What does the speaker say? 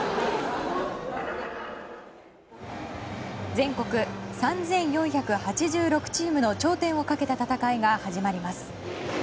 全国３４８６チームの頂点をかけた戦いが始まります。